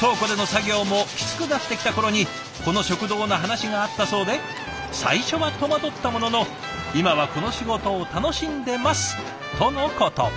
倉庫での作業もきつくなってきた頃にこの食堂の話があったそうで最初は戸惑ったものの今はこの仕事を楽しんでますとのこと。